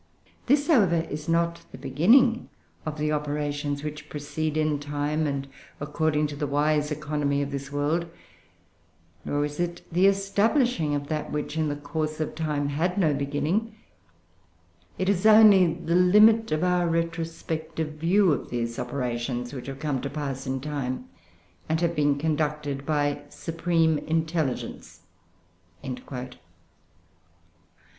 This, however, is not the beginning of the operations which proceed in time and according to the wise economy of this world; nor is it the establishing of that which, in the course of time, had no beginning; it is only the limit of our retrospective view of those operations which have come to pass in time, and have been conducted by supreme intelligence." [Footnote 7: Ibid., vol. i. p.